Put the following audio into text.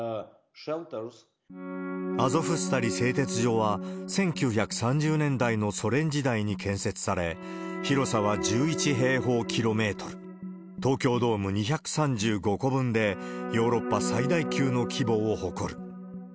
アゾフスタリ製鉄所は１９３０年代のソ連時代に建設され、広さは１１平方キロメートル、東京ドーム２３５個分で、ヨーロッパ最大級の規模を誇る。